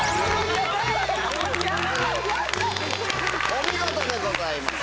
お見事でございます。